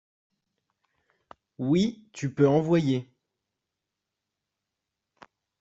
oui tu peux envoyer.